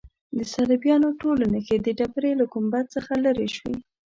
د صلیبیانو ټولې نښې د ډبرې له ګنبد څخه لیرې شوې.